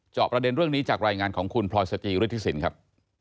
ประเด็นเรื่องนี้จากรายงานของคุณพลอยสจิฤทธิสินครับ